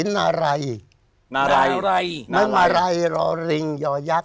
ไม่มารัยหรอริงหรอยักษ์